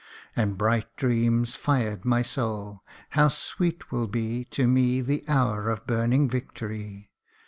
And bright dreams fired my soul How sweet will be To me the hour of burning victory